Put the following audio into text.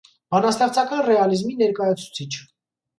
Բանաստեղծական ռեալիզմի ներկայացուցիչ։